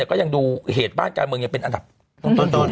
ก็ยังดูเหตุบ้านการเมืองยังเป็นอันดับต้น